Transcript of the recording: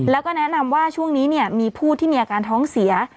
แล้วก็แนะนำว่าช่วงนี้มีผู้ที่มีอาการท้องเสีย